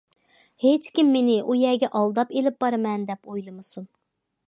ھېچكىم مېنى ئۇ يەرگە ئالداپ ئىلىپ بارىمەن دەپ ئويلىمىسۇن.